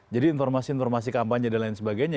jadi informasi informasi kampanye dan lain sebagainya